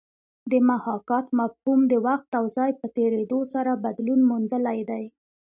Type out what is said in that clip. د محاکات مفهوم د وخت او ځای په تېرېدو سره بدلون موندلی دی